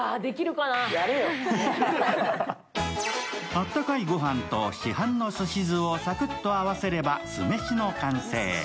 あったかい御飯と市販のすし酢をさくっと合わせれば酢飯の完成。